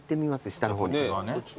下の方に。